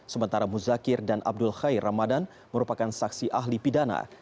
sementara muzakir dan abdul khair ramadan merupakan saksi ahli pidana